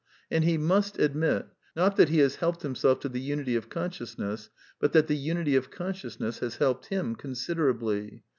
And he must admit, not that he has helped himself to the unity of conscious ness, but that the unity of consciousness has helped him considerably.